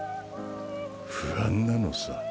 不安なのさ。